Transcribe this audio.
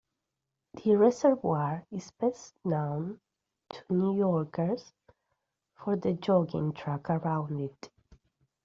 The Reservoir is best known to New Yorkers for the jogging track around it.